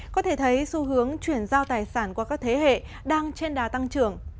có thể thấy xu hướng chuyển giao tài sản qua các thế hệ đang trên đà tăng trưởng